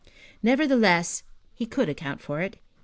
Nevertheless, he could account for it.